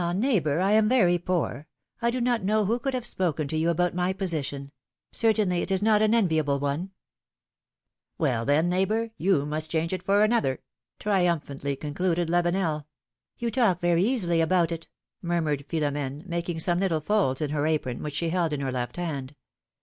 neighbor, I am very poor ; I do not know who could have spoken to you about my position ; certainly, it is not an enviable one ! Well, then, neighbor, you must change it for another,'' triumphantly concluded Lavenel. You talk very easily about it," murmured Philomene, making some little folds in her apron, which she held in her left hand.